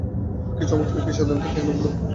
কিন্তু কী চমৎকার, কী স্বাধীনতা, কী আনন্দ!